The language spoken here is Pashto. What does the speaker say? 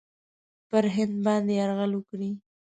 پر هند باندي یرغل وکړي.